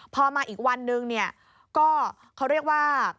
พอมาอีกวันนึงเนี่ยก็เขาเรียกว่า